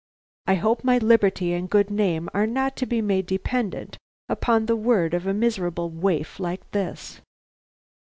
I hope my liberty and good name are not to be made dependent upon the word of a miserable waif like this."